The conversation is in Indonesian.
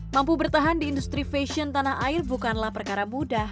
mampu bertahan di industri fashion tanah air bukanlah perkara mudah